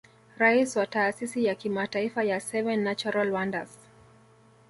Rais wa taasisi ya Kimataifa ya Seven Natural Wonders